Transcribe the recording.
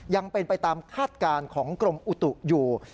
ยังเป็นไปตามคาดการณ์ของกรมอุตุอยู่